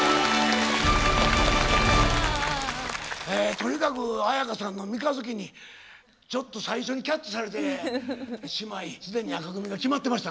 とにかく絢香さんの「三日月」にちょっと最初にキャッチされてしまいすでに紅組が決まってました